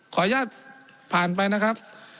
ขออนุญาตผ่านไปนะครับ